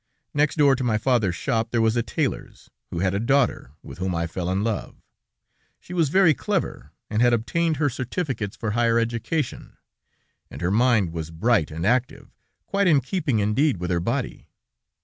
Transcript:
Next door to my father's shop, there was a tailor's, who had a daughter, with whom I fell in love. She was very clever, and had obtained her certificates for higher education, and her mind was bright and active, quite in keeping indeed with her body.